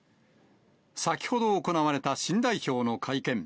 先ほど行われた新代表の会見。